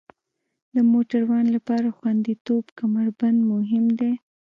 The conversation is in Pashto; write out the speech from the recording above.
د موټروان لپاره خوندیتوب کمربند مهم دی.